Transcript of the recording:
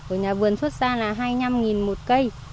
của nhà vườn xuất ra là hai mươi năm một cây